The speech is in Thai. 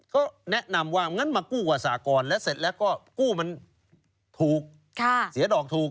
ก็แนะนำว่างั้นมากู้กับสากรและเสร็จแล้วก็กู้มันถูกเสียดอกถูก